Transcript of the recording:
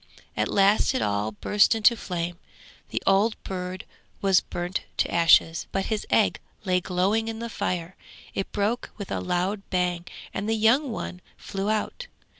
At last it all burst into flame; the old bird was burnt to ashes, but his egg lay glowing in the fire; it broke with a loud bang and the young one flew out.